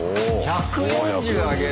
１４０上げる！